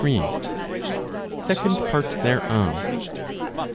Second Part Thereof.